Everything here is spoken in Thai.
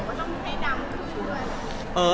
มานะทางพิงกันเมื่อไม่รู้